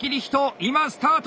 今スタート！